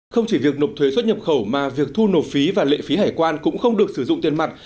không chỉ việc nộp thuế xuất nhập khẩu mà việc thu nộp phí và lệ phí hải quan cũng không được sử dụng tiền mặt